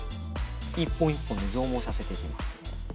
１本１本増毛させていきます。